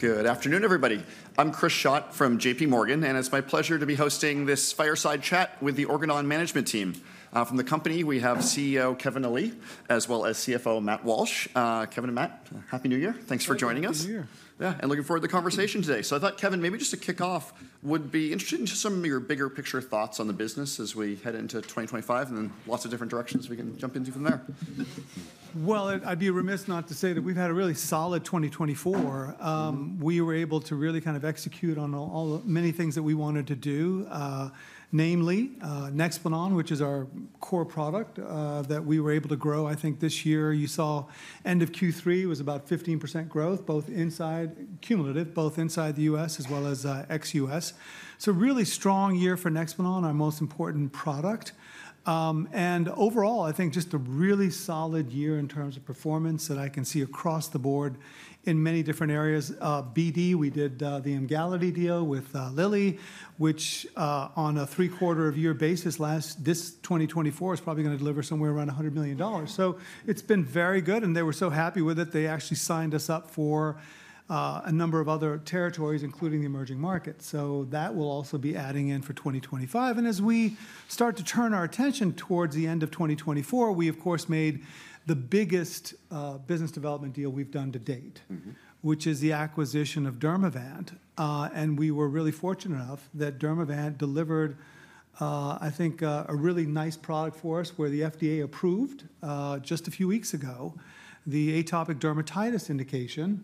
Good afternoon, everybody. I'm Chris Schott from JPMorgan, and it's my pleasure to be hosting this Fireside Chat with the Organon Management Team. From the company, we have CEO Kevin Ali, as well as CFO Matt Walsh. Kevin and Matt, happy New Year. Thanks for joining us. Happy New Year. Yeah, and looking forward to the conversation today. So I thought, Kevin, maybe just to kick off, would be interested in just some of your bigger picture thoughts on the business as we head into 2025, and then lots of different directions we can jump into from there. I'd be remiss not to say that we've had a really solid 2024. We were able to really kind of execute on many things that we wanted to do, namely NEXPLANON, which is our core product that we were able to grow. I think this year you saw end of Q3 was about 15% growth, both inside cumulative, both inside the U.S. as well as ex-U.S. Really strong year for NEXPLANON, our most important product. Overall, I think just a really solid year in terms of performance that I can see across the board in many different areas. BD, we did the Emgality deal with Lilly, which on a three-quarter of year basis this 2024 is probably going to deliver somewhere around $100 million. So it's been very good, and they were so happy with it, they actually signed us up for a number of other territories, including the emerging markets. So that will also be adding in for 2025. And as we start to turn our attention towards the end of 2024, we, of course, made the biggest business development deal we've done to date, which is the acquisition of Dermavant. And we were really fortunate enough that Dermavant delivered, I think, a really nice product for us where the FDA approved just a few weeks ago the atopic dermatitis indication,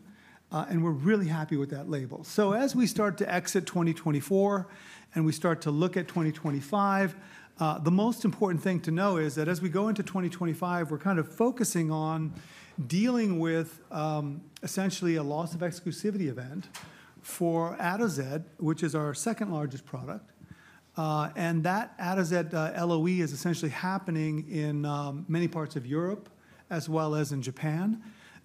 and we're really happy with that label. As we start to exit 2024 and we start to look at 2025, the most important thing to know is that as we go into 2025, we're kind of focusing on dealing with essentially a loss of exclusivity event for Atozet, which is our second largest product. And that Atozet LOE is essentially happening in many parts of Europe as well as in Japan.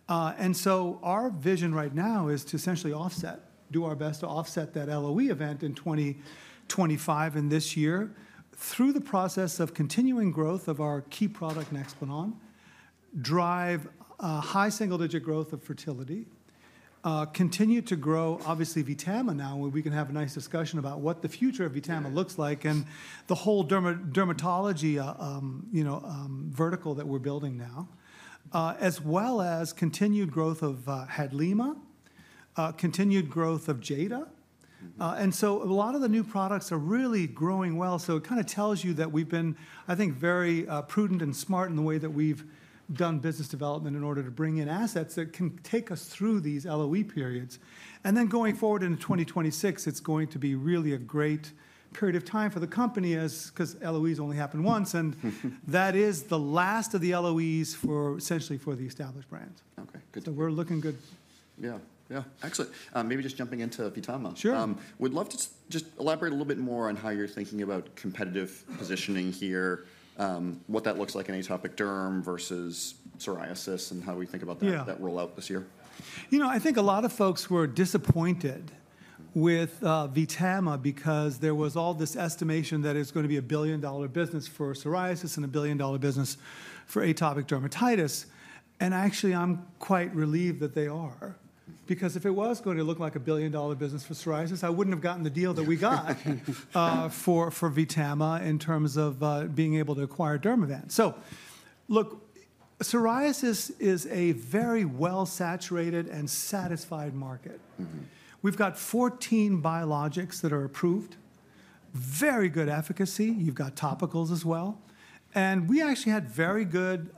Our vision right now is to essentially offset, do our best to offset that LOE event in 2025 and this year through the process of continuing growth of our key product NEXPLANON, drive high single-digit growth of fertility, continue to grow, obviously, VTAMA now, where we can have a nice discussion about what the future of VTAMA looks like and the whole dermatology vertical that we're building now, as well as continued growth of HADLIMA, continued growth of Jada. And so a lot of the new products are really growing well. So it kind of tells you that we've been, I think, very prudent and smart in the way that we've done business development in order to bring in assets that can take us through these LOE periods. And then going forward into 2026, it's going to be really a great period of time for the company because LOEs only happen once, and that is the last of the LOEs essentially for the established brands. Okay, good. So we're looking good. Yeah, yeah, excellent. Maybe just jumping into VTAMA. Sure. Would love to just elaborate a little bit more on how you're thinking about competitive positioning here, what that looks like in atopic derm versus psoriasis and how we think about that rollout this year. You know, I think a lot of folks were disappointed with VTAMA because there was all this estimation that it's going to be a billion-dollar business for psoriasis and a billion-dollar business for atopic dermatitis. And actually, I'm quite relieved that they are, because if it was going to look like a billion-dollar business for psoriasis, I wouldn't have gotten the deal that we got for VTAMA in terms of being able to acquire Dermavant. So look, psoriasis is a very well-saturated and satisfied market. We've got 14 biologics that are approved, very good efficacy. You've got topicals as well. And we actually had very good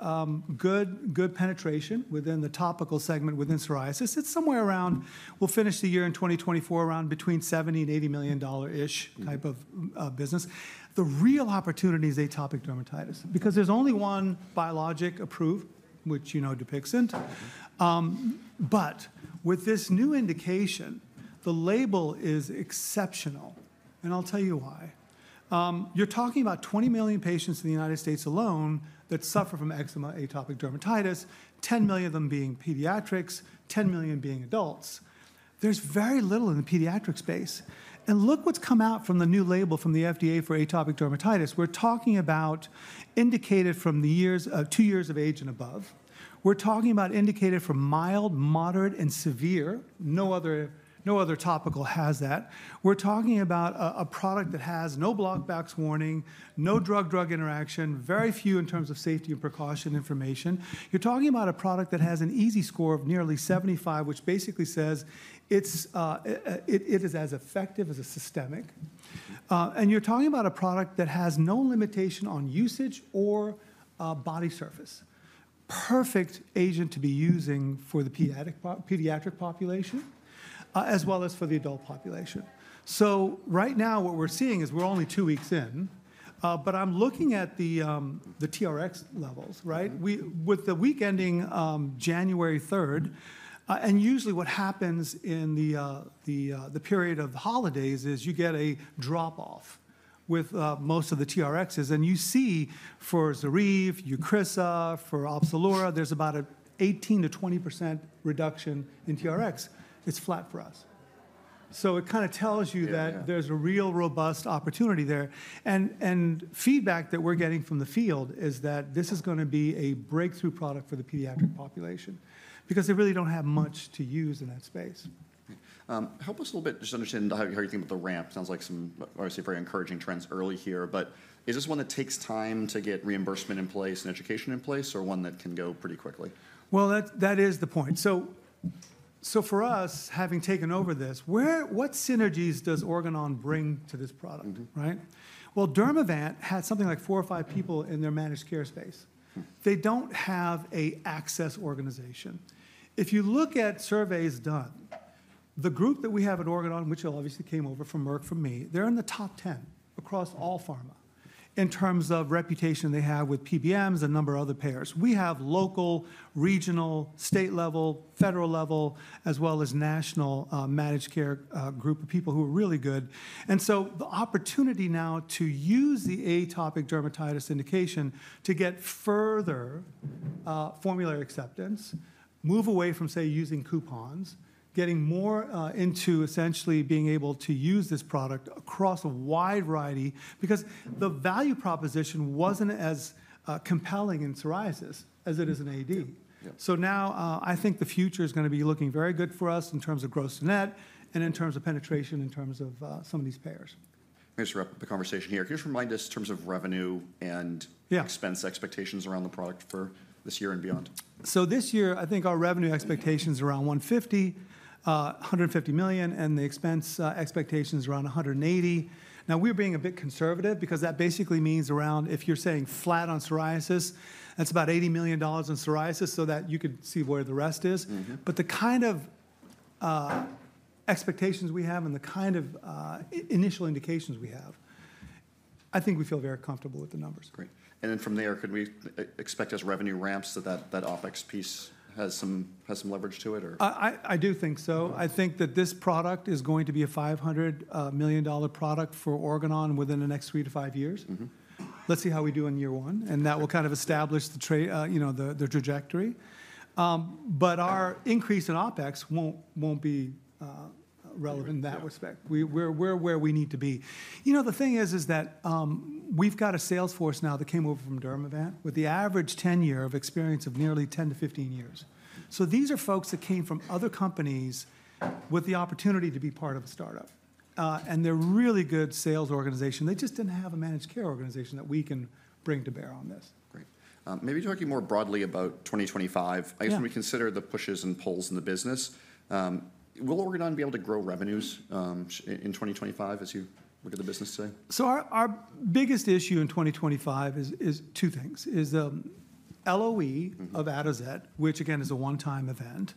penetration within the topical segment within psoriasis. It's somewhere around, we'll finish the year in 2024, around between $70 million and $80 million-ish type of business. The real opportunity is atopic dermatitis, because there's only one biologic approved, which you know, DUPIXENT. But with this new indication, the label is exceptional. And I'll tell you why. You're talking about 20 million patients in the United States alone that suffer from eczema atopic dermatitis, 10 million of them being pediatrics, 10 million being adults. There's very little in the pediatric space. And look what's come out from the new label from the FDA for atopic dermatitis. We're talking about indicated from two years of age and above. We're talking about indicated from mild, moderate, and severe. No other topical has that. We're talking about a product that has no black-box warning, no drug-drug interaction, very few in terms of safety and precaution information. You're talking about a product that has an EASI score of nearly 75, which basically says it is as effective as a systemic. And you're talking about a product that has no limitation on usage or body surface. Perfect agent to be using for the pediatric population as well as for the adult population. So right now, what we're seeing is we're only two weeks in, but I'm looking at the TRx levels, right? With the week ending January 3rd, and usually what happens in the period of holidays is you get a drop-off with most of the TRxs, and you see for Zoryve, Eucrisa, for Opzelura, there's about an 18%-20% reduction in TRx. It's flat for us, so it kind of tells you that there's a real robust opportunity there, and feedback that we're getting from the field is that this is going to be a breakthrough product for the pediatric population because they really don't have much to use in that space. Help us a little bit just understand how you think about the ramp. Sounds like some obviously very encouraging trends early here, but is this one that takes time to get reimbursement in place and education in place or one that can go pretty quickly? That is the point. So for us, having taken over this, what synergies does Organon bring to this product, right? Well, Dermavant had something like four or five people in their managed care space. They don't have an access organization. If you look at surveys done, the group that we have at Organon, which obviously came over from Merck from me, they're in the top 10 across all pharma in terms of reputation they have with PBMs and a number of other payers. We have local, regional, state level, federal level, as well as national managed care group of people who are really good. And so the opportunity now to use the atopic dermatitis indication to get further formulary acceptance, move away from, say, using coupons, getting more into essentially being able to use this product across a wide variety because the value proposition wasn't as compelling in psoriasis as it is in AD. So now I think the future is going to be looking very good for us in terms of gross net and in terms of penetration in terms of some of these payers. I'm going to just wrap up the conversation here. Can you just remind us in terms of revenue and expense expectations around the product for this year and beyond? So this year, I think our revenue expectation is around $150 million, $150 million, and the expense expectation is around $180 million. Now, we're being a bit conservative because that basically means around if you're saying flat on psoriasis, that's about $80 million on psoriasis so that you could see where the rest is. But the kind of expectations we have and the kind of initial indications we have, I think we feel very comfortable with the numbers. Great. Then from there, could we expect as revenue ramps that that OpEx piece has some leverage to it? I do think so. I think that this product is going to be a $500 million product for Organon within the next three to five years. Let's see how we do in year one, and that will kind of establish the trajectory. But our increase in OpEx won't be relevant in that respect. We're where we need to be. You know, the thing is that we've got a sales force now that came over from Dermavant with the average tenure of experience of nearly 10-15 years. So these are folks that came from other companies with the opportunity to be part of a startup, and they're really good sales organization. They just didn't have a managed care organization that we can bring to bear on this. Great. Maybe talking more broadly about 2025, I guess when we consider the pushes and pulls in the business, will Organon be able to grow revenues in 2025 as you look at the business today? So our biggest issue in 2025 is two things. Is the LOE of Atozet, which again is a one-time event,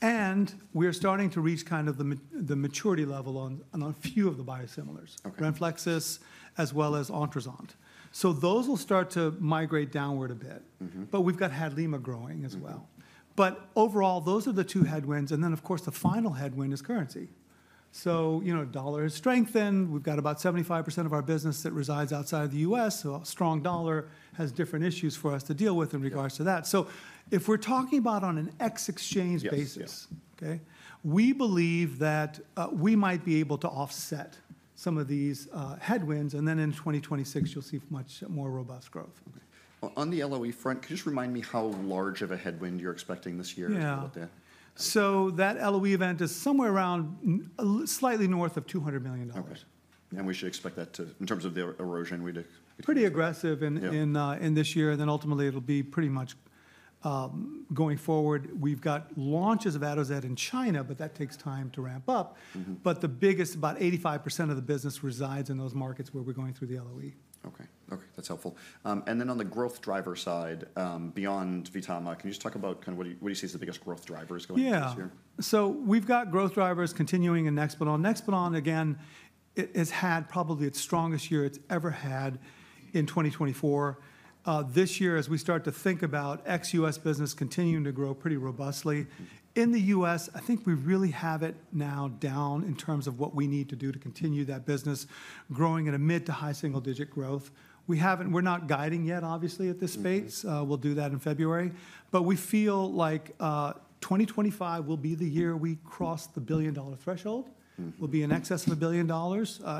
and we're starting to reach kind of the maturity level on a few of the biosimilars, RENFLEXIS, as well as ONTRUZANT. So those will start to migrate downward a bit, but we've got HADLIMA growing as well. But overall, those are the two headwinds. And then, of course, the final headwind is currency. So dollar has strengthened. We've got about 75% of our business that resides outside of the U.S., so a strong dollar has different issues for us to deal with in regards to that. So if we're talking about on an ex-exchange basis, okay, we believe that we might be able to offset some of these headwinds, and then in 2026, you'll see much more robust growth. On the LOE front, could you just remind me how large of a headwind you're expecting this year? Yeah. So that LOE event is somewhere around slightly north of $200 million. Okay. And we should expect that to, in terms of the erosion, we'd expect. Pretty aggressive in this year, and then ultimately it'll be pretty much going forward. We've got launches of Atozet in China, but that takes time to ramp up. But the biggest, about 85% of the business resides in those markets where we're going through the LOE. Okay, okay. That's helpful. And then on the growth driver side, beyond VTAMA, can you just talk about kind of what do you see as the biggest growth drivers going into this year? Yeah. So we've got growth drivers continuing in NEXPLANON. NEXPLANON, again, has had probably its strongest year it's ever had in 2024. This year, as we start to think about ex-U.S. business continuing to grow pretty robustly in the U.S., I think we really have it down now in terms of what we need to do to continue that business growing at a mid- to high-single-digit growth. We're not guiding yet, obviously, at this stage. We'll do that in February. But we feel like 2025 will be the year we cross the $1 billion threshold. We'll be in excess of $1 billion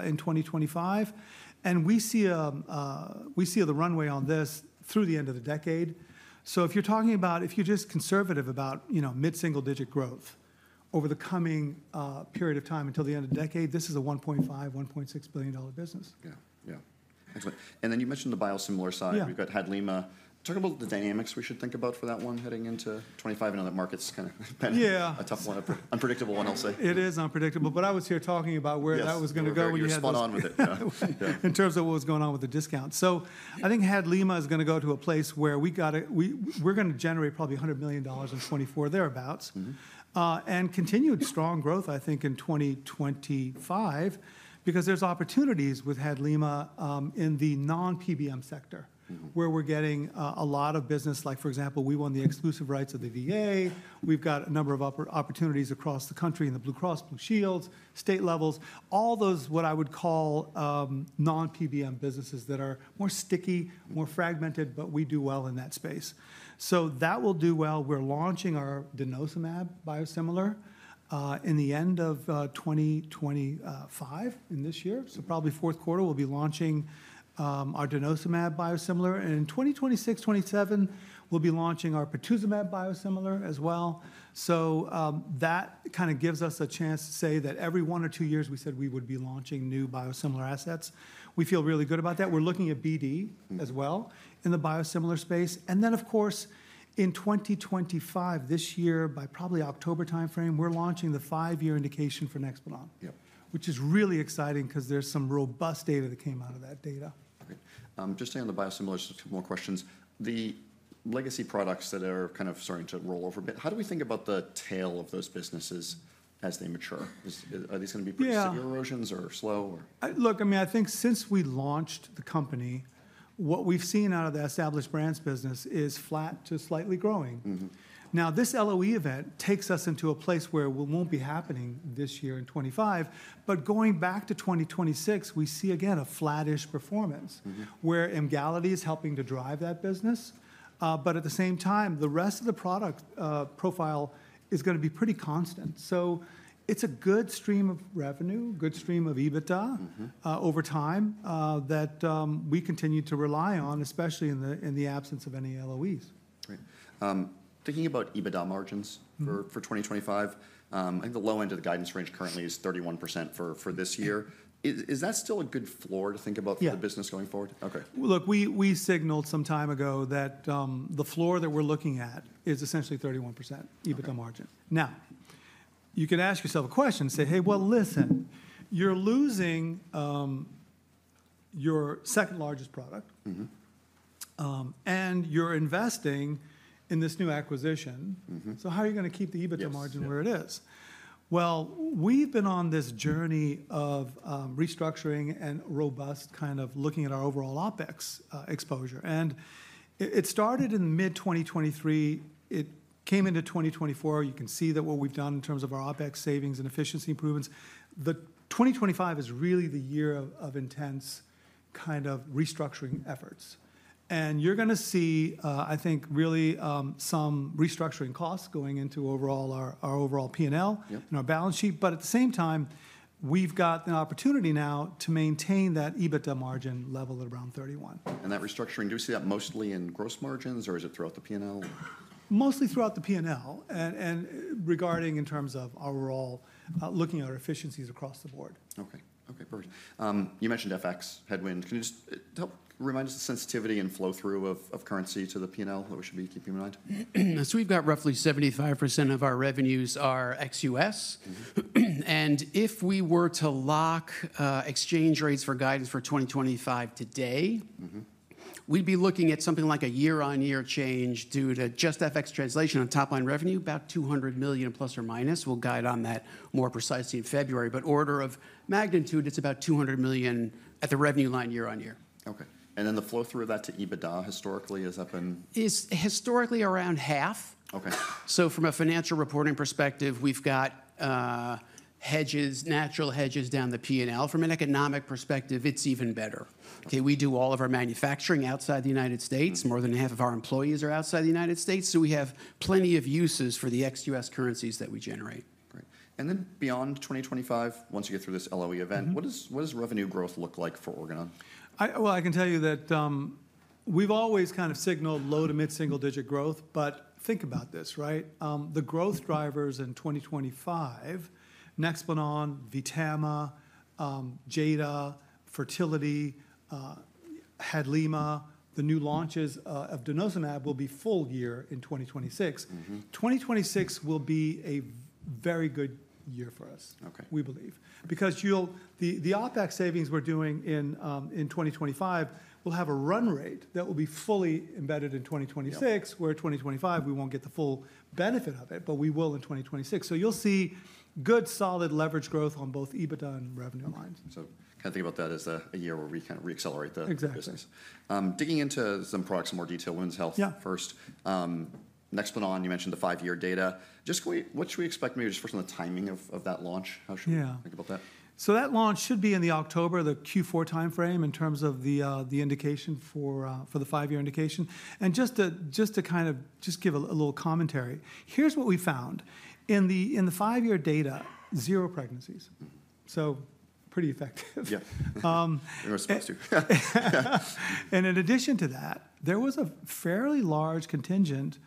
in 2025. And we see the runway on this through the end of the decade. So if you're talking about, if you're just conservative about mid-single-digit growth over the coming period of time until the end of the decade, this is a $1.5 billion-$1.6 billion business. Yeah, yeah. Excellent. And then you mentioned the biosimilar side. We've got HADLIMA. Talk about the dynamics we should think about for that one heading into 2025. I know that market's kind of been a tough one, unpredictable one, I'll say. It is unpredictable, but I was here talking about where that was going to go when you had. Yeah, we'll just spot on with it. In terms of what was going on with the discount. So I think HADLIMA is going to go to a place where we're going to generate probably $100 million in 2024, thereabouts, and continued strong growth, I think, in 2025, because there's opportunities with HADLIMA in the non-PBM sector where we're getting a lot of business. Like, for example, we won the exclusive rights of the VA. We've got a number of opportunities across the country in the Blue Cross Shields, state levels, all those what I would call non-PBM businesses that are more sticky, more fragmented, but we do well in that space. So that will do well. We're launching our denosumab biosimilar in the end of 2025, in this year. So probably fourth quarter, we'll be launching our denosumab biosimilar. And in 2026, 2027, we'll be launching our pertuzumab biosimilar as well. So that kind of gives us a chance to say that every one or two years, we said we would be launching new biosimilar assets. We feel really good about that. We're looking at BD as well in the biosimilar space. And then, of course, in 2025, this year, by probably October timeframe, we're launching the five-year indication for NEXPLANON, which is really exciting because there's some robust data that came out of that data. Just staying on the biosimilars, just a couple more questions. The legacy products that are kind of starting to roll over a bit, how do we think about the tail of those businesses as they mature? Are these going to be pretty severe erosions or slow? Look, I mean, I think since we launched the company, what we've seen out of the established brands business is flat to slightly growing. Now, this LOE event takes us into a place where it won't be happening this year in 2025. But going back to 2026, we see again a flattish performance where Emgality is helping to drive that business. But at the same time, the rest of the product profile is going to be pretty constant. So it's a good stream of revenue, good stream of EBITDA over time that we continue to rely on, especially in the absence of any LOEs. Thinking about EBITDA margins for 2025, I think the low end of the guidance range currently is 31% for this year. Is that still a good floor to think about for the business going forward? Yeah. Okay. Look, we signaled some time ago that the floor that we're looking at is essentially 31% EBITDA margin. Now, you could ask yourself a question and say, "Hey, well, listen, you're losing your second largest product and you're investing in this new acquisition. So how are you going to keep the EBITDA margin where it is?" Well, we've been on this journey of restructuring and robust kind of looking at our overall OpEx exposure. And it started in mid-2023. It came into 2024. You can see that what we've done in terms of our OpEx savings and efficiency improvements. The 2025 is really the year of intense kind of restructuring efforts. And you're going to see, I think, really some restructuring costs going into our overall P&L and our balance sheet. But at the same time, we've got an opportunity now to maintain that EBITDA margin level at around 31. That restructuring, do we see that mostly in gross margins or is it throughout the P&L? Mostly throughout the P&L and regarding in terms of our overall looking at our efficiencies across the board. Okay, okay. Perfect. You mentioned FX headwinds. Can you just help remind us the sensitivity and flow-through of currency to the P&L that we should be keeping in mind? So we've got roughly 75% of our revenues ex-U.S. And if we were to lock exchange rates for guidance for 2025 today, we'd be looking at something like a year-on-year change due to just FX translation on top-line revenue, about $200 million plus or minus. We'll guide on that more precisely in February. But order of magnitude, it's about $200 million at the revenue line year-on-year. Okay. And then the flow-through of that to EBITDA historically has up and. is historically around half. So from a financial reporting perspective, we've got hedges, natural hedges down the P&L. From an economic perspective, it's even better. Okay. We do all of our manufacturing outside the United States. More than half of our employees are outside the United States. So we have plenty of uses for the ex-U.S. currencies that we generate. Great. And then beyond 2025, once you get through this LOE event, what does revenue growth look like for Organon? I can tell you that we've always kind of signaled low to mid-single-digit growth. But think about this, right? The growth drivers in 2025, NEXPLANON, VTAMA, Jada, Fertility, HADLIMA, the new launches of denosumab will be full year in 2026. 2026 will be a very good year for us, we believe. Because the OpEx savings we're doing in 2025, we'll have a run rate that will be fully embedded in 2026, where 2025, we won't get the full benefit of it, but we will in 2026. So you'll see good solid leverage growth on both EBITDA and revenue lines. So kind of think about that as a year where we kind of re-accelerate the business. Exactly. Digging into some products in more detail, Women's Health first. NEXPLANON, you mentioned the five-year data. Just what should we expect? Maybe just first on the timing of that launch. How should we think about that? So that launch should be in the October, the Q4 timeframe in terms of the indication for the five-year indication. And just to kind of give a little commentary, here's what we found. In the five-year data, zero pregnancies. So pretty effective. Yeah. They were supposed to. And in addition to that, there was a fairly large contingent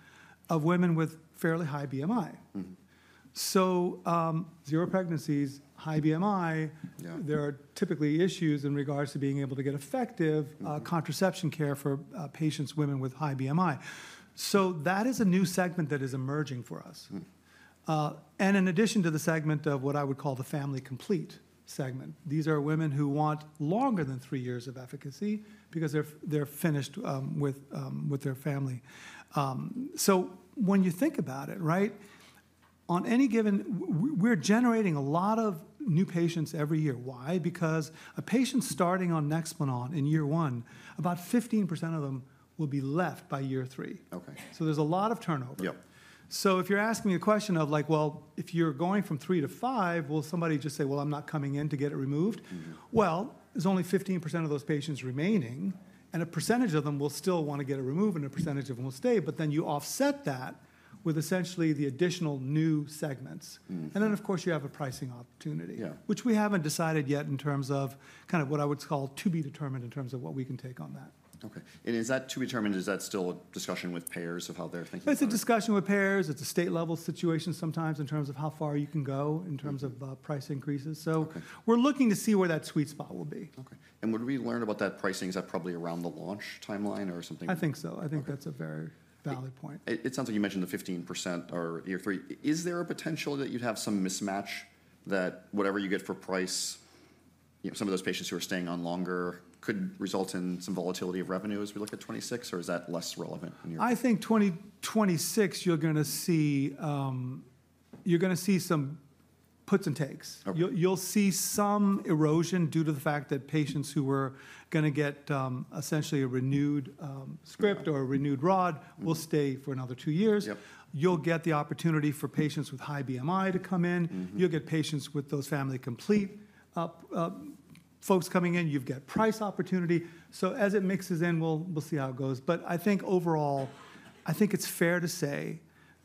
of women with fairly high BMI. So zero pregnancies, high BMI. There are typically issues in regards to being able to get effective contraception care for patients, women with high BMI. So that is a new segment that is emerging for us. And in addition to the segment of what I would call the family complete segment, these are women who want longer than three years of efficacy because they're finished with their family. So when you think about it, right, on any given we're generating a lot of new patients every year. Why? Because a patient starting on NEXPLANON in year one, about 15% of them will be left by year three. So there's a lot of turnover. If you're asking me a question of like, well, if you're going from three to five, will somebody just say, "Well, I'm not coming in to get it removed?" Well, there's only 15% of those patients remaining, and a percentage of them will still want to get it removed, and a percentage of them will stay. But then you offset that with essentially the additional new segments. And then, of course, you have a pricing opportunity, which we haven't decided yet in terms of kind of what I would call to be determined in terms of what we can take on that. Okay. And is that to be determined, is that still a discussion with payers of how they're thinking? It's a discussion with payers. It's a state-level situation sometimes in terms of how far you can go in terms of price increases, so we're looking to see where that sweet spot will be. Okay. And when we learn about that pricing, is that probably around the launch timeline or something? I think so. I think that's a very valid point. It sounds like you mentioned the 15% or year three. Is there a potential that you'd have some mismatch that whatever you get for price, some of those patients who are staying on longer could result in some volatility of revenue as we look at 2026, or is that less relevant in your view? I think 2026, you're going to see some puts and takes. You'll see some erosion due to the fact that patients who were going to get essentially a renewed script or a renewed rod will stay for another two years. You'll get the opportunity for patients with high BMI to come in. You'll get patients with those family complete folks coming in. You've got price opportunity. So as it mixes in, we'll see how it goes. But I think overall, I think it's fair to say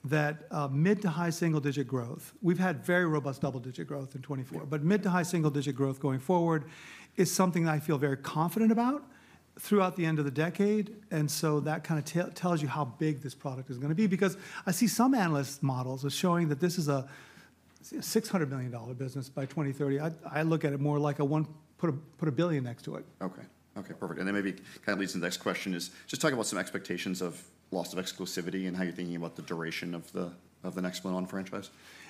that mid- to high single-digit growth, we've had very robust double-digit growth in 2024. But mid- to high single-digit growth going forward is something that I feel very confident about throughout the end of the decade. And so that kind of tells you how big this product is going to be. Because I see some analyst models are showing that this is a $600 million business by 2030. I look at it more like, put a billion next to it. Okay. Perfect, and then maybe kind of leads to the next question is just talking about some expectations of loss of exclusivity and how you're thinking about the duration of the NEXPLANON franchise.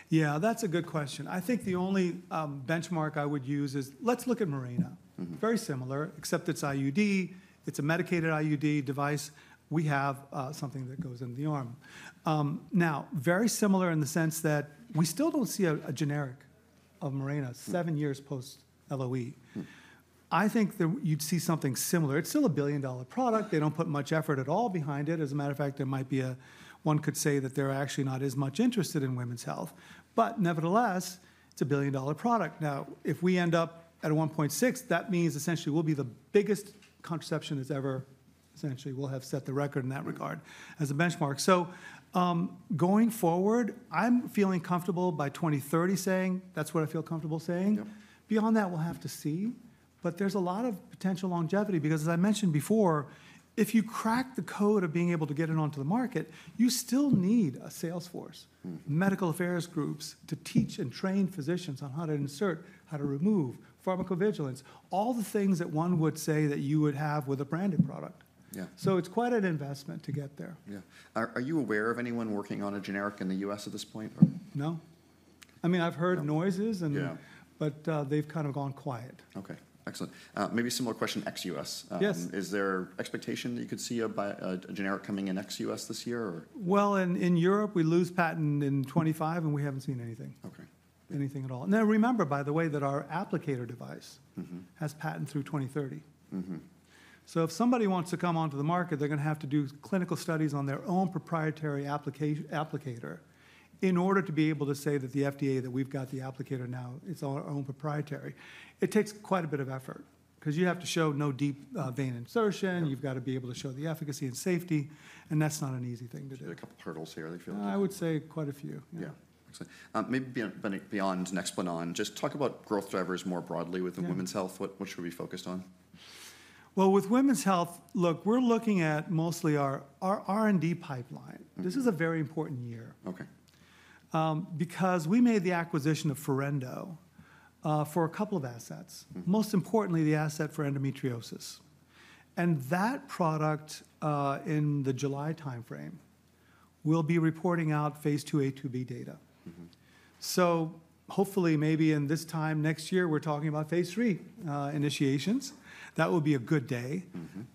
Yeah, that's a good question. I think the only benchmark I would use is let's look at Mirena. Very similar, except it's IUD. It's a medicated IUD device. We have something that goes into the arm. Now, very similar in the sense that we still don't see a generic of Mirena, seven years post-LOE. I think you'd see something similar. It's still a billion-dollar product. They don't put much effort at all behind it. As a matter of fact, there might be a one could say that they're actually not as much interested in women's health. But nevertheless, it's a billion-dollar product. Now, if we end up at 1.6, that means essentially we'll be the biggest contraception that's ever we'll have set the record in that regard as a benchmark. So going forward, I'm feeling comfortable by 2030 saying that's what I feel comfortable saying. Beyond that, we'll have to see. But there's a lot of potential longevity because, as I mentioned before, if you crack the code of being able to get it onto the market, you still need a salesforce, medical affairs groups to teach and train physicians on how to insert, how to remove, pharmacovigilance, all the things that one would say that you would have with a branded product. So it's quite an investment to get there. Yeah. Are you aware of anyone working on a generic in the U.S. at this point? No. I mean, I've heard noises, but they've kind of gone quiet. Okay. Excellent. Maybe a similar question, ex-U.S. Is there an expectation that you could see a generic coming in ex-US this year? In Europe, we lose patent in 2025 and we haven't seen anything. Anything at all. Now, remember, by the way, that our applicator device has patent through 2030. So if somebody wants to come onto the market, they're going to have to do clinical studies on their own proprietary applicator in order to be able to say to the FDA that we've got the applicator now, it's our own proprietary. It takes quite a bit of effort because you have to show no deep vein insertion. You've got to be able to show the efficacy and safety, and that's not an easy thing to do. There are a couple of hurdles here, I feel like. I would say quite a few. Yeah. Excellent. Maybe beyond NEXPLANON, just talk about growth drivers more broadly with women's health. What should we be focused on? With women's health, look, we're looking at mostly our R&D pipeline. This is a very important year because we made the acquisition of Forendo for a couple of assets, most importantly the asset for endometriosis. And that product in the July timeframe will be reporting out phase 2a/2b data. So hopefully, maybe in this time next year, we're talking about phase III initiations. That would be a good day.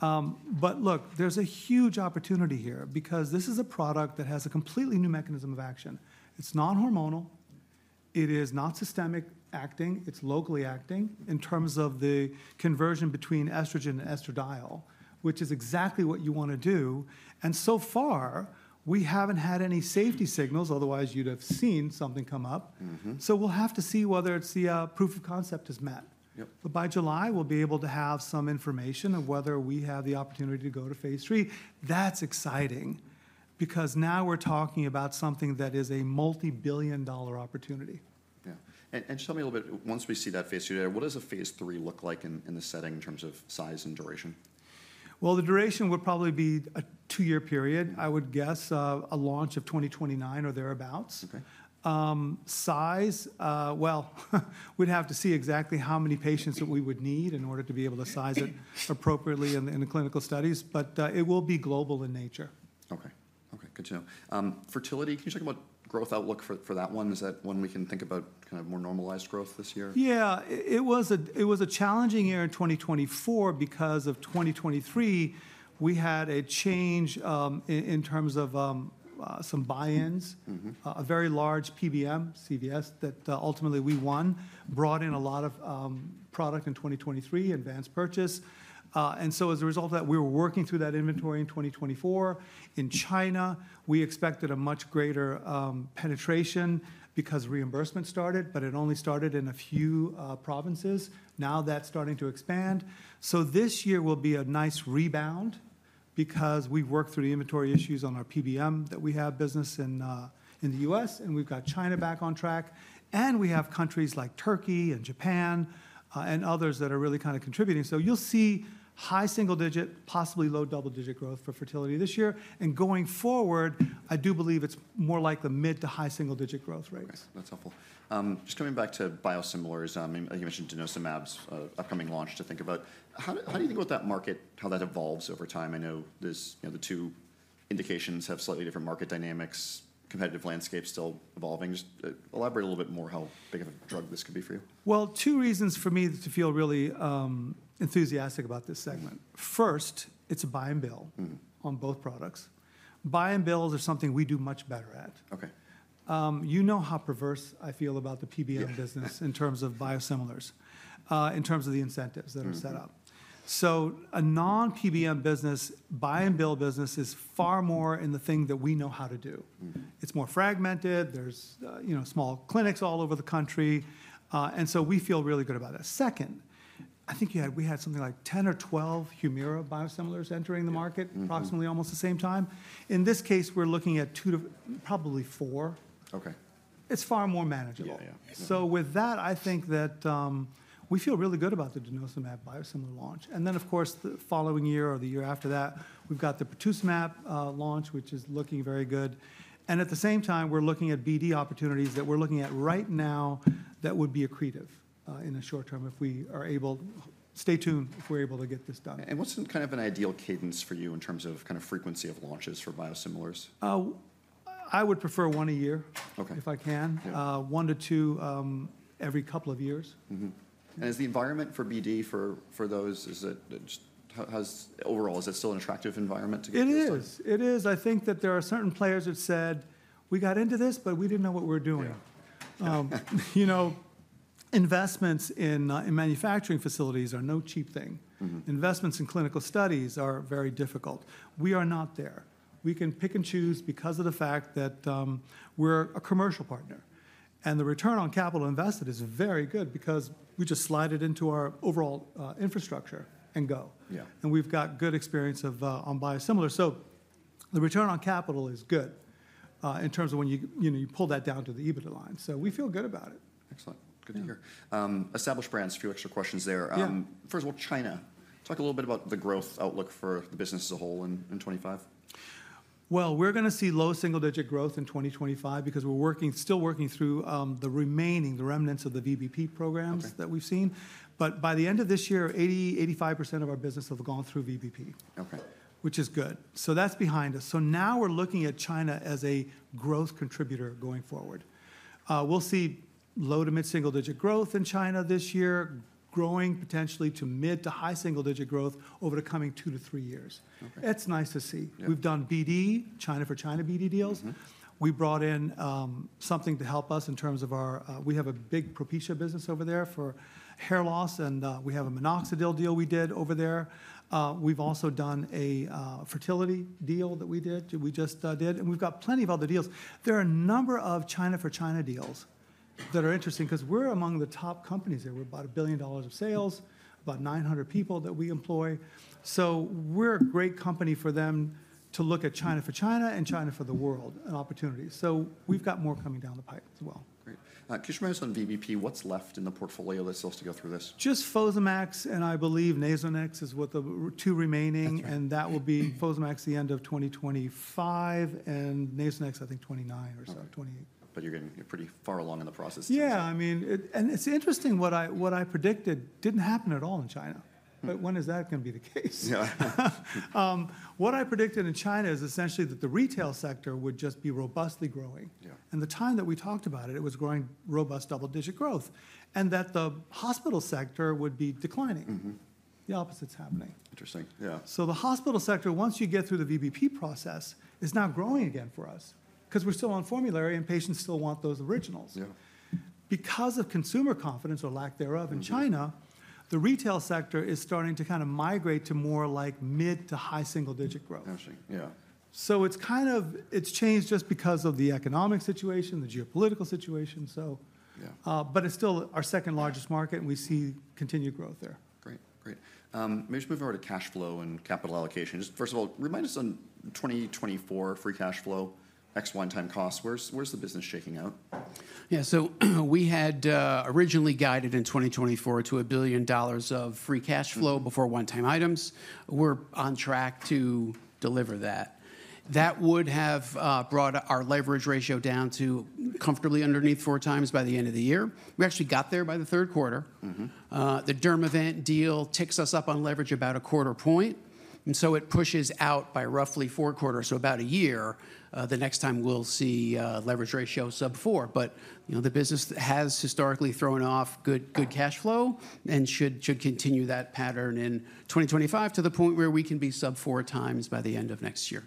But look, there's a huge opportunity here because this is a product that has a completely new mechanism of action. It's non-hormonal. It is not systemic acting. It's locally acting in terms of the conversion between estrogen and estradiol, which is exactly what you want to do. And so far, we haven't had any safety signals. Otherwise, you'd have seen something come up. So we'll have to see whether the proof of concept is met. But by July, we'll be able to have some information of whether we have the opportunity to go to phase III. That's exciting because now we're talking about something that is a multi-billion-dollar opportunity. Yeah. And just tell me a little bit, once we see that phase III there, what does a phase III look like in the setting in terms of size and duration? The duration would probably be a two-year period, I would guess, a launch of 2029 or thereabouts. Size, well, we'd have to see exactly how many patients that we would need in order to be able to size it appropriately in the clinical studies. But it will be global in nature. Okay. Okay. Good to know. Fertility, can you talk about growth outlook for that one? Is that one we can think about kind of more normalized growth this year? Yeah. It was a challenging year in 2024 because of 2023. We had a change in terms of some buy-ins, a very large PBM, CVS, that ultimately we won, brought in a lot of product in 2023, advanced purchase, so as a result of that, we were working through that inventory in 2024. In China, we expected a much greater penetration because reimbursement started, but it only started in a few provinces. Now that's starting to expand so this year will be a nice rebound because we've worked through the inventory issues on our PBM that we have business in the U.S., and we've got China back on track and we have countries like Turkey and Japan and others that are really kind of contributing. So you'll see high single-digit, possibly low double-digit growth for fertility this year. Going forward, I do believe it's more like the mid to high single-digit growth rates. That's helpful. Just coming back to biosimilars, you mentioned denosumab's upcoming launch to think about. How do you think about that market, how that evolves over time? I know the two indications have slightly different market dynamics, competitive landscape still evolving. Just elaborate a little bit more how big of a drug this could be for you. Two reasons for me to feel really enthusiastic about this segment. First, it's a buy-and-bill on both products. Buy-and-bills are something we do much better at. You know how perverse I feel about the PBM business in terms of biosimilars, in terms of the incentives that are set up. So a non-PBM business, buy-and-bill business is far more in the thing that we know how to do. It's more fragmented. There's small clinics all over the country. And so we feel really good about that. Second, I think we had something like 10 or 12 Humira biosimilars entering the market approximately almost the same time. In this case, we're looking at probably four. It's far more manageable. So with that, I think that we feel really good about the denosumab biosimilar launch. And then, of course, the following year or the year after that, we've got the Pertuzumab launch, which is looking very good. And at the same time, we're looking at BD opportunities that we're looking at right now that would be accretive in the short term if we are able to stay tuned if we're able to get this done. What's kind of an ideal cadence for you in terms of kind of frequency of launches for biosimilars? I would prefer one a year if I can, one to two every couple of years. Is the environment for BD for those, is it just overall, is it still an attractive environment to get started? It is. It is. I think that there are certain players who have said, "We got into this, but we didn't know what we were doing." Investments in manufacturing facilities are no cheap thing. Investments in clinical studies are very difficult. We are not there. We can pick and choose because of the fact that we're a commercial partner. And the return on capital invested is very good because we just slide it into our overall infrastructure and go. And we've got good experience on biosimilars. So the return on capital is good in terms of when you pull that down to the EBITDA line. So we feel good about it. Excellent. Good to hear. Established brands, a few extra questions there. First of all, China, talk a little bit about the growth outlook for the business as a whole in 2025. We're going to see low single-digit growth in 2025 because we're still working through the remaining, the remnants of the VBP programs that we've seen. But by the end of this year, 85% of our business will have gone through VBP, which is good. That's behind us. Now we're looking at China as a growth contributor going forward. We'll see low to mid-single-digit growth in China this year, growing potentially to mid to high single-digit growth over the coming two to three years. It's nice to see. We've done BD, China for China BD deals. We brought in something to help us in terms of our. We have a big Propecia business over there for hair loss, and we have a minoxidil deal we did over there. We've also done a fertility deal that we just did. We've got plenty of other deals. There are a number of China for China deals that are interesting because we're among the top companies there. We're about $1 billion of sales, about 900 people that we employ. So we're a great company for them to look at China for China and China for the world, an opportunity. So we've got more coming down the pipe as well. Great. Can you just remind us on VBP, what's left in the portfolio that's supposed to go through this? Just FOSAMAX, and I believe Nasonex is what the two remaining. That will be FOSAMAX at the end of 2025 and Nasonex, I think, 2029 or so. But you're getting pretty far along in the process. Yeah. I mean, and it's interesting what I predicted didn't happen at all in China. But when is that going to be the case? What I predicted in China is essentially that the retail sector would just be robustly growing. And the time that we talked about it, it was growing robust double-digit growth and that the hospital sector would be declining. The opposite's happening. Interesting. Yeah. The hospital sector, once you get through the VBP process, is now growing again for us because we're still on formulary and patients still want those originals. Because of consumer confidence or lack thereof in China, the retail sector is starting to kind of migrate to more like mid- to high single-digit growth. Interesting. Yeah. So it's kind of changed just because of the economic situation, the geopolitical situation. But it's still our second largest market, and we see continued growth there. Great. Great. Maybe just move over to cash flow and capital allocation. Just first of all, remind us on 2024 free cash flow, one-time costs. Where's the business shaking out? Yeah. So we had originally guided in 2024 to $1 billion of free cash flow before one-time items. We're on track to deliver that. That would have brought our leverage ratio down to comfortably underneath four times by the end of the year. We actually got there by the third quarter. The Dermavant deal ticks us up on leverage about a quarter point. And so it pushes out by roughly four quarters, so about a year the next time we'll see leverage ratios sub four. But the business has historically thrown off good cash flow and should continue that pattern in 2025 to the point where we can be sub four times by the end of next year.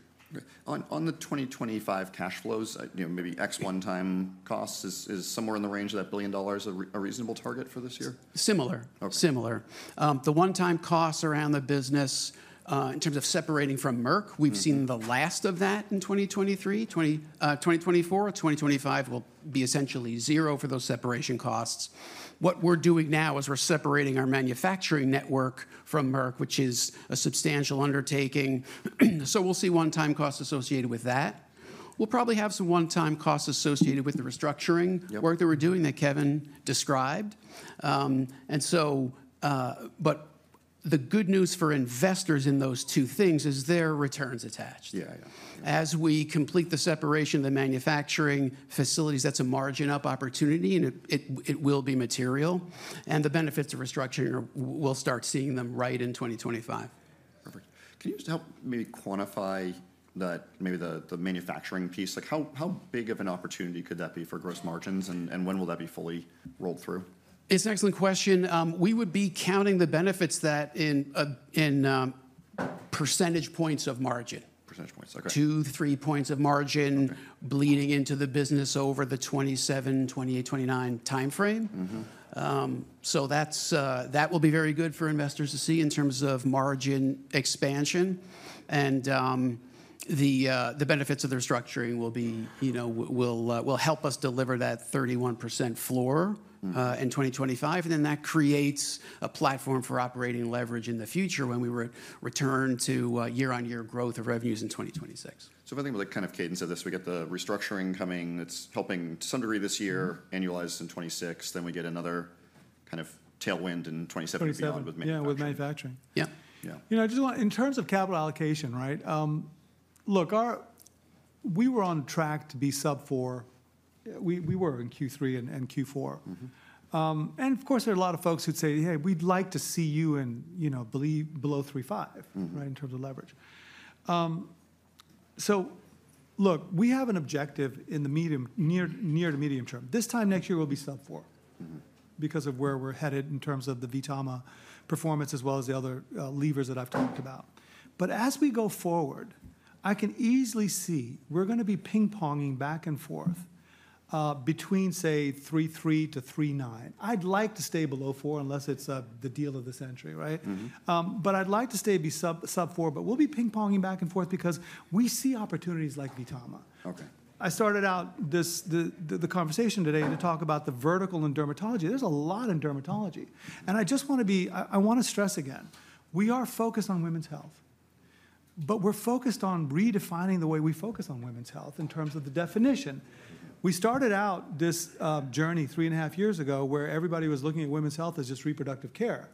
On the 2025 cash flows, maybe one-time costs is somewhere in the range of that $1 billion a reasonable target for this year? Similar. The one-time costs around the business in terms of separating from Merck, we've seen the last of that in 2023. 2024, 2025 will be essentially zero for those separation costs. What we're doing now is we're separating our manufacturing network from Merck, which is a substantial undertaking. So we'll see one-time costs associated with that. We'll probably have some one-time costs associated with the restructuring work that we're doing that Kevin described. But the good news for investors in those two things is there are returns attached. As we complete the separation of the manufacturing facilities, that's a margin up opportunity, and it will be material, and the benefits of restructuring, we'll start seeing them right in 2025. Perfect. Can you just help maybe quantify that, maybe the manufacturing piece? How big of an opportunity could that be for gross margins, and when will that be fully rolled through? It's an excellent question. We would be counting the benefits in percentage points of margin. Percentage points. Okay. Two, three points of margin bleeding into the business over the 2027, 2028, 2029 timeframe. So that will be very good for investors to see in terms of margin expansion. And the benefits of the restructuring will help us deliver that 31% floor in 2025. And then that creates a platform for operating leverage in the future when we return to year-on-year growth of revenues in 2026. So if anything, the kind of cadence of this, we get the restructuring coming. It's helping to some degree this year, annualized in 2026. Then we get another kind of tailwind in 2017. Yeah, with manufacturing. Yeah. You know, I just want in terms of capital allocation, right? Look, we were on track to be sub four. We were in Q3 and Q4. And of course, there are a lot of folks who'd say, "Hey, we'd like to see you in below 3.5 in terms of leverage." So look, we have an objective in the near to medium term. This time next year, we'll be sub four because of where we're headed in terms of the VTAMA performance as well as the other levers that I've talked about. But as we go forward, I can easily see we're going to be ping-ponging back and forth between, say, 3.3-3.9. I'd like to stay below four unless it's the deal of the century, right? I'd like to stay sub four, but we'll be ping-ponging back and forth because we see opportunities like VTAMA. I started out the conversation today to talk about the vertical in dermatology. There's a lot in dermatology. I just want to stress again, we are focused on women's health, but we're focused on redefining the way we focus on women's health in terms of the definition. We started out this journey three and a half years ago where everybody was looking at women's health as just reproductive care.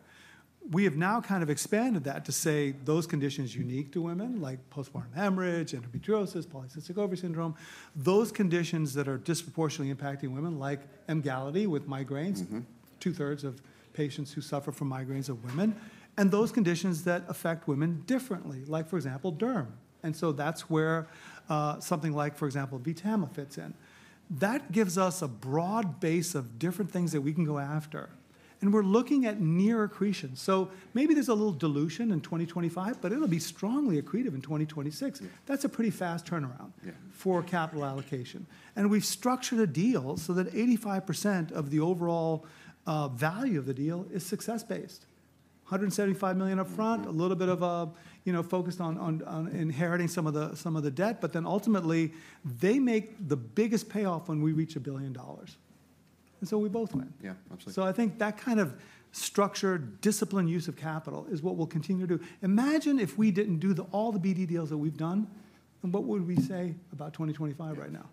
We have now kind of expanded that to say those conditions unique to women, like postpartum hemorrhage, endometriosis, polycystic ovary syndrome, those conditions that are disproportionately impacting women, like Emgality with migraines, two-thirds of patients who suffer from migraines are women, and those conditions that affect women differently, like for example, derm. And so that's where something like, for example, VTAMA fits in. That gives us a broad base of different things that we can go after. And we're looking at near accretion. So maybe there's a little dilution in 2025, but it'll be strongly accretive in 2026. That's a pretty fast turnaround for capital allocation. And we've structured a deal so that 85% of the overall value of the deal is success-based. $175 million upfront, a little bit focused on inheriting some of the debt, but then ultimately, they make the biggest payoff when we reach $1 billion. And so we both win. So I think that kind of structured discipline use of capital is what we'll continue to do. Imagine if we didn't do all the BD deals that we've done, and what would we say about 2025 right now?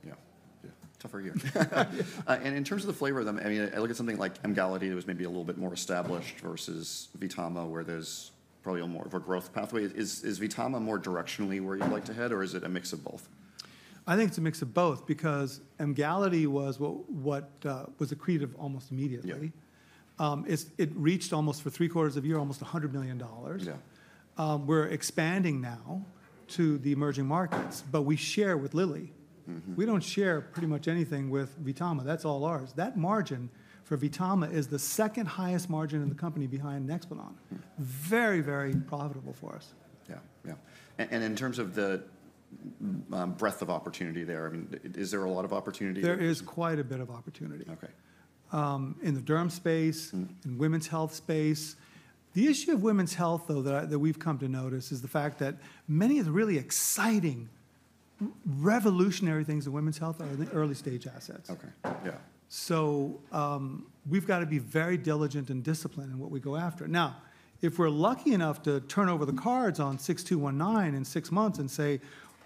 Yeah. Yeah. Tougher year and in terms of the flavor of them, I mean, I look at something like Emgality that was maybe a little bit more established versus VTAMA, where there's probably a more of a growth pathway. Is VTAMA more directionally where you'd like to head, or is it a mix of both? I think it's a mix of both because Emgality was what was accretive almost immediately. It reached almost for three quarters of a year, almost $100 million. We're expanding now to the emerging markets, but we share with Lilly. We don't share pretty much anything with VTAMA. That's all ours. That margin for VTAMA is the second highest margin in the company behind NEXPLANON. Very, very profitable for us. Yeah. Yeah. And in terms of the breadth of opportunity there, I mean, is there a lot of opportunity? There is quite a bit of opportunity in the derm space, in women's health space. The issue of women's health, though, that we've come to notice is the fact that many of the really exciting, revolutionary things in women's health are in the early stage assets. So we've got to be very diligent and disciplined in what we go after. Now, if we're lucky enough to turn over the cards on 6219 in six months and say,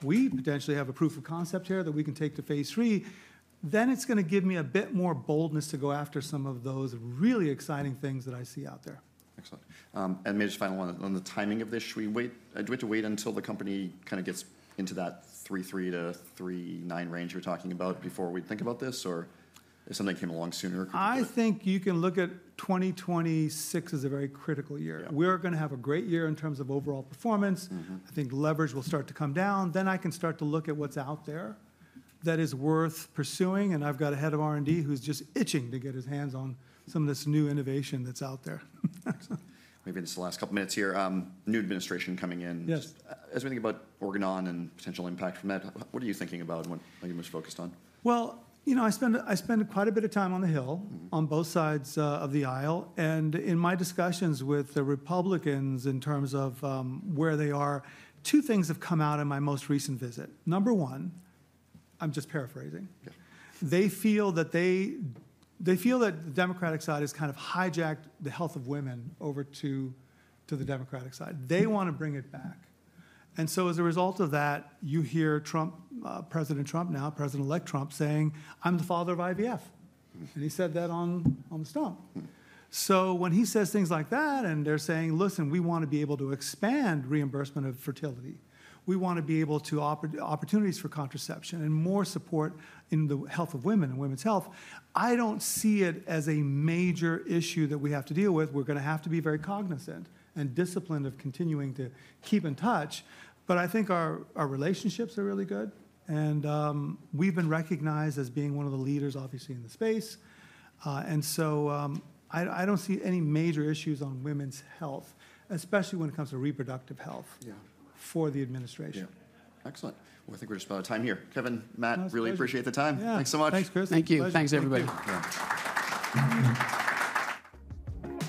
"We potentially have a proof of concept here that we can take to phase III," then it's going to give me a bit more boldness to go after some of those really exciting things that I see out there. Excellent. And maybe just final one. On the timing of this, should we wait? Do we have to wait until the company kind of gets into that 3.3-3.9 range you're talking about before we think about this, or if something came along sooner? I think you can look at 2026 as a very critical year. We're going to have a great year in terms of overall performance. I think leverage will start to come down. Then I can start to look at what's out there that is worth pursuing. And I've got a head of R&D who's just itching to get his hands on some of this new innovation that's out there. Excellent. Maybe just the last couple of minutes here. New administration coming in. As we think about Organon and potential impact from that, what are you thinking about and what are you most focused on? Well, you know, I spend quite a bit of time on the Hill, on both sides of the aisle. And in my discussions with the Republicans in terms of where they are, two things have come out of my most recent visit. Number one, I'm just paraphrasing. They feel that the Democratic side has kind of hijacked the health of women over to the Democratic side. They want to bring it back. And so as a result of that, you hear President Trump now, President-elect Trump, saying, "I'm the father of IVF." And he said that on the stump. So when he says things like that, and they're saying, "Listen, we want to be able to expand reimbursement of fertility. We want to be able to offer opportunities for contraception and more support in the health of women and women's health. I don't see it as a major issue that we have to deal with. We're going to have to be very cognizant and disciplined of continuing to keep in touch. But I think our relationships are really good. And we've been recognized as being one of the leaders, obviously, in the space. And so I don't see any major issues on women's health, especially when it comes to reproductive health for the administration. Yeah. Excellent. Well, I think we're just about out of time here. Kevin, Matt, really appreciate the time. Thanks so much. Thanks, Chris. Thank you. Thanks, everybody.